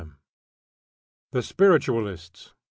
II. THE SPIRITUALISTS.